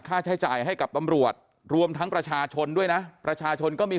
ค่าใช้จ่ายให้กับตำรวจรวมทั้งประชาชนด้วยนะประชาชนก็มี